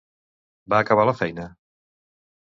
Va acabar la feina?